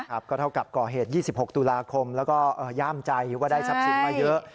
ครับก็เท่ากับก่อเหตุยี่สิบหกตุลาคมแล้วก็ย่ามใจว่าได้ซับสินมาเยอะ